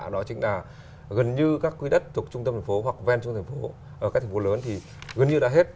đó chính là gần như các quý đất thuộc trung tâm thành phố hoặc ven trung tâm thành phố các thành phố lớn thì gần như đã hết